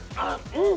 うん？